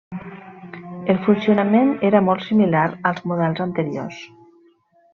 El funcionament era molt similar als models anteriors.